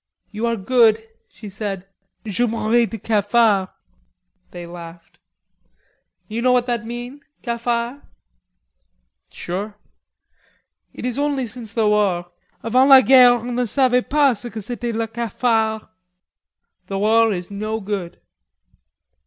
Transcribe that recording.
"You are good," she said. "Je mourrais de cafard." They laughed. "You know what that mean cafard?" "Sure." "It is only since the war. Avant la guerre on ne savais pas ce que c'etait le cafard. The war is no good."